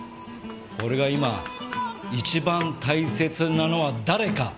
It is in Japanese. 俺が今一番大切なのは誰かわかるだろ？